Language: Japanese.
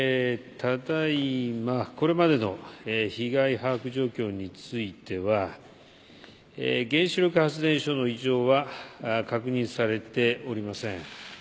これまでの被害把握状況については原子力発電所の異常は確認されておりません。